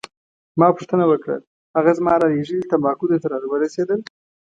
ما پوښتنه وکړه: هغه زما رالیږلي تمباکو درته راورسیدل؟